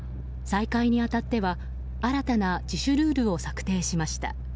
再開に当たっては新たな自主ルールを策定しました。